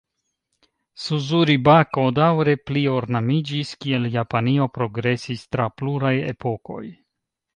Suzuri-bako daŭre pli-ornamiĝis, kiel Japanio progresis tra pluraj epokoj.